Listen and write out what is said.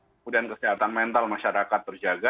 kemudian kesehatan mental masyarakat terjaga